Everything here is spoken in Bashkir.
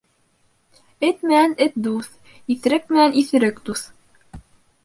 Эт менән эт дуҫ, иҫерек менән иҫерек дуҫ.